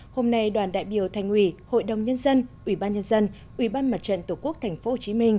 hôm nay đoàn đại biểu thành ủy hội đồng nhân dân ủy ban nhân dân ủy ban mặt trận tổ quốc tp hcm